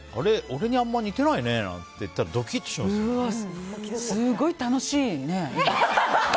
俺にあんまり似てないねなんて言ったらすごい、楽しいね。